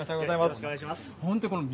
よろしくお願いします。